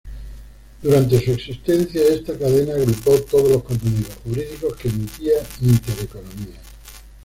Durante su existencia, esta cadena agrupó todos los contenidos jurídicos que emitía Intereconomía.